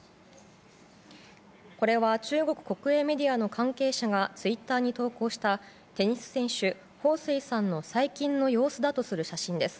これは中国国営メディアの関係者がツイッターに投稿したテニス選手、ホウ・スイさんの最近の様子だとする写真です。